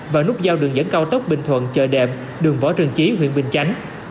và nút giao đường dẫn cao tốc bình thuận chợ đệm đường võ trần chí huyện bình chánh